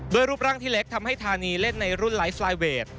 รูปร่างที่เล็กทำให้ธานีเล่นในรุ่นไลฟ์สไลเวท